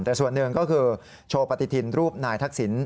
แต่ส่วนหนึ่งก็คือโชว์ปฏิทินรูปนายทักษิณ